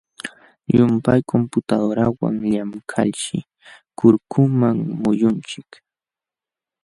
Llumpay computadorawan llamkalshi kurkuman muyunchik.